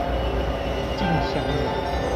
敬翔人。